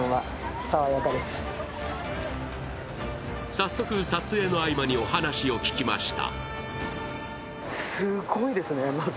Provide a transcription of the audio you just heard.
早速、撮影の合間にお話を聞きました。